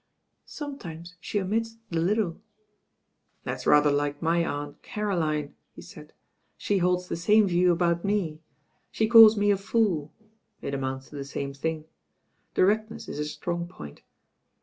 "Some times she omits the 'little.' " "That's rather like my Aunt Caroline," he said, "she holds the same view about me. She calls me a fool. It amounts to the same thing. Directness is her strong point."